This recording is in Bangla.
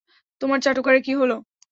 তোমার চাটুকারের কী হল?